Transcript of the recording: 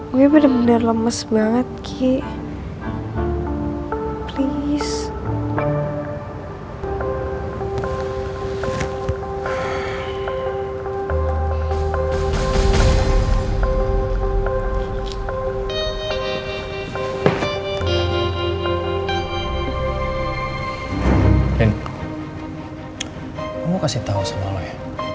gue mau kasih tau sama lo ya